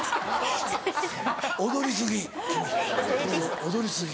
踊り過ぎ。